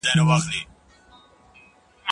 خوب مي دی لیدلی جهاني ریشتیا دي نه سي